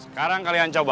sekarang kalian coba